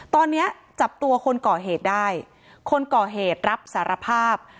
ตอนนี้จับตัวคนก่อเหตุได้คนก่อเหตุรับสารภาพ